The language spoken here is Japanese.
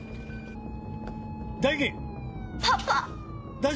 大樹！